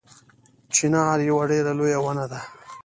چنار یوه ډیره لویه ونه ده